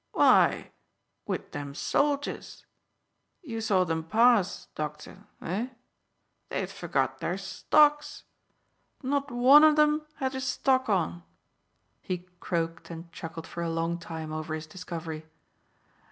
"Why, with them soldiers. You saw them pass, doctor eh? They'd forgot their stocks. Not one on 'em had his stock on." He croaked and chuckled for a long time over his discovery.